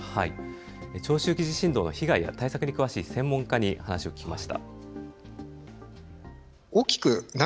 長周期地震動の被害や対策に詳しい専門家に話を聞きました。